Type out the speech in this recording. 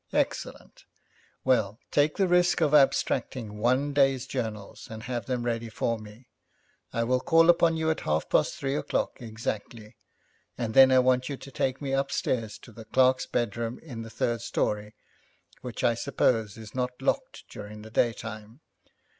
'Excellent. Well, take the risk of abstracting one day's journals, and have them ready for me. I will call upon you at half past three o'clock exactly, and then I want you to take me upstairs to the clerk's bedroom in the third story, which I suppose is not locked during the daytime?'